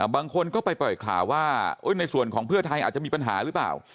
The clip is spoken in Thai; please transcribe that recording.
บางคนก็ไปปล่อยข่าวว่าในส่วนของเพื่อไทยอาจจะมีปัญหาหรือเปล่า